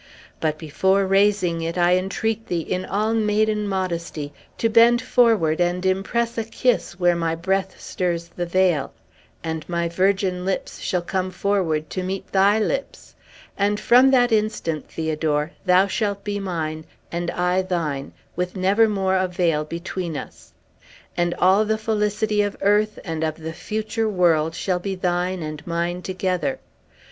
But, before raising it, I entreat thee, in all maiden modesty, to bend forward and impress a kiss where my breath stirs the veil; and my virgin lips shall come forward to meet thy lips; and from that instant, Theodore, thou shalt be mine, and I thine, with never more a veil between us. And all the felicity of earth and of the future world shall be thine and mine together.